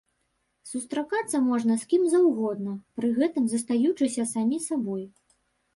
Сустракацца можна з кім заўгодна, пры гэтым застаючыся самі сабой.